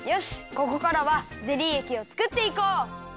ここからはゼリーえきをつくっていこう。